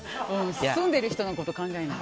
住んでる人のこと考えないと。